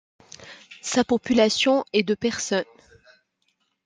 Sa population est de personnes.